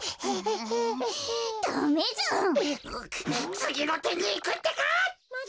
つぎのてにいくってか！